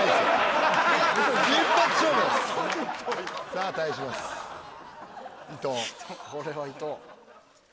さあ対します伊藤。